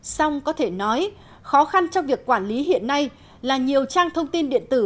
xong có thể nói khó khăn trong việc quản lý hiện nay là nhiều trang thông tin điện tử